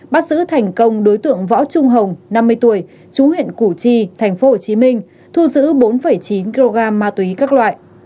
bắt giữ thành công đối tượng võ trung hồng năm mươi tuổi chú huyện củ chi tp hcm thu giữ bốn chín kg ma túy các loại